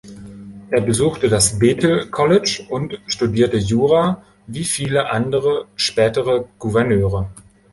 Er besuchte das "Bethel College" und studierte Jura, wie viele andere spätere Gouverneure.